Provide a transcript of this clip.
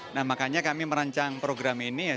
nah makanya kami merancang program ini